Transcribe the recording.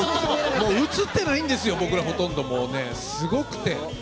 もう映ってないんですよ、僕らほとんど、すごくて。